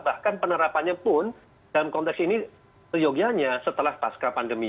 bahkan penerapannya pun dalam konteks ini seyogianya setelah pasca pandemi